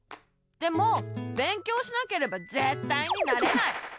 でも勉強しなければぜったいになれない！